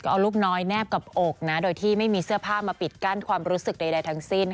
เอาลูกน้อยแนบกับอกนะโดยที่ไม่มีเสื้อผ้ามาปิดกั้นความรู้สึกใดทั้งสิ้น